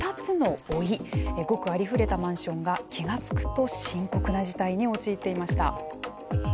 ごくありふれたマンションが気が付くと深刻な事態に陥っていました。